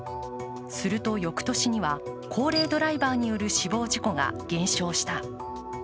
すると翌年には高齢ドライバーによる死亡事故が減少した。